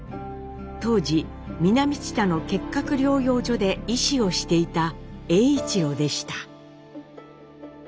当時南知多の結核療養所で医師をしていた栄一郎でした。